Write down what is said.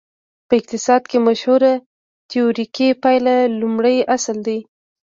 په اقتصاد کې مشهوره تیوریکي پایله لومړی اصل دی.